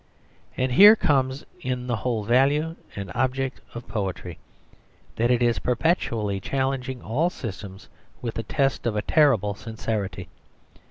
And here comes in the whole value and object of poetry, that it is perpetually challenging all systems with the test of a terrible sincerity.